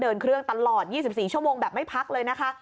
เดินเครื่องตลอด๒๔ชั่วโมงแบบไม่พักเลยนะคะ